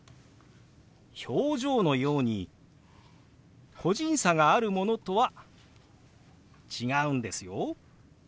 表情のように個人差があるものとは違うんですよ。